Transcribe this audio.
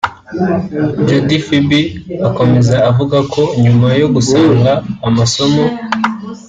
Jody Phibi akomeza avuga ko nyuma yo gusoza amasomo